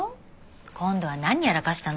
今度は何やらかしたの？